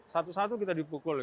satu satu kita dipukul